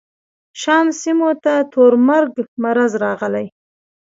شام سیمو ته تور مرګ مرض راغلی.